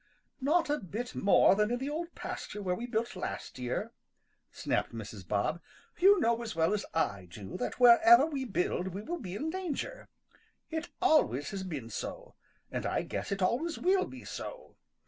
"Not a bit more than in the Old Pasture where we built last year," snapped Mrs. Bob. "You know as well as I do that wherever we build we will be in danger. It always has been so, and I guess it always will be so.